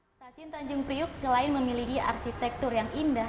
stasiun tanjung priok sekalian memiliki arsitektur yang indah